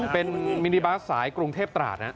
เป็นมินิบาสสายกรุงเทพตราดนะ